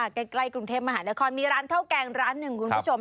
ใกล้กรุงเทพมหานครมีร้านข้าวแกงร้านหนึ่งคุณผู้ชม